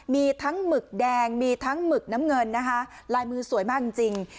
มีทั้งหมึกแดงมีทั้งหมึกน้ำเงินนะคะลายมือสวยมากจริง